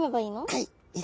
はい。